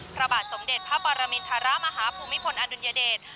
พระบาทสมเด็จพระปรมินทรมาฮภูมิพลอดุลยเดช